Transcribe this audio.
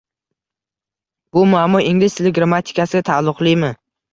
Bu muammo ingliz tili grammatikasiga ta’luqlimi